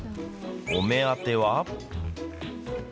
お目当ては。